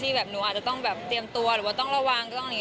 ที่หนูอาจจะต้องเตรียมตัวหรือว่าต้องระวังก็ต้องอย่างนี้